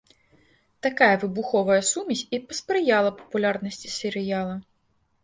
Такая выбуховая сумесь і паспрыяла папулярнасці серыяла.